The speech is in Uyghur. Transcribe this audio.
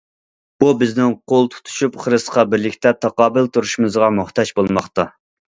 بۇ بىزنىڭ قول تۇتۇشۇپ خىرىسقا بىرلىكتە تاقابىل تۇرۇشىمىزغا موھتاج بولماقتا.